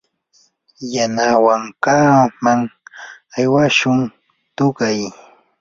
yanawankaman aywashun tunaq.